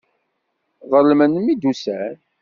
Ḍelmen mi d-ussan.